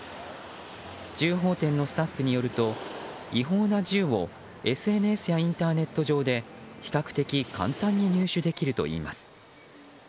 銃砲店のスタッフによると違法な銃をＳＮＳやインターネット上で比較的簡単に入手できるといいます。